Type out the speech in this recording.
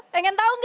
pengen tau gak